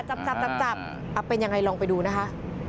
จับจับจับจับอ่าเป็นยังไงลองไปดูนะฮะ